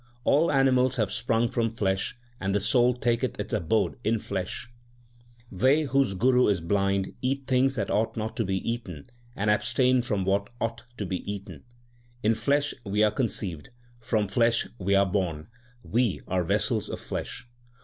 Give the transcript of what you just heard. All animals have sprung from flesh, and the soul taketh its abode in flesh. 1 The flesh of animals. LIFE OF GURU NANAK 49 They whose guru is blind, eat things that ought not to be eaten, and abstain from what ought to be eaten. In flesh we are conceived, from flesh we are born ; we are vessels of flesh.